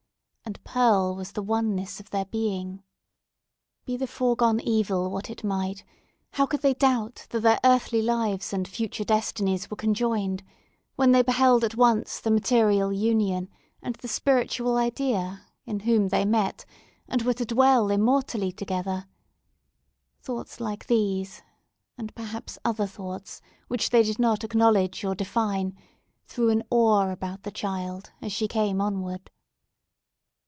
And Pearl was the oneness of their being. Be the foregone evil what it might, how could they doubt that their earthly lives and future destinies were conjoined when they beheld at once the material union, and the spiritual idea, in whom they met, and were to dwell immortally together; thoughts like these—and perhaps other thoughts, which they did not acknowledge or define—threw an awe about the child as she came onward.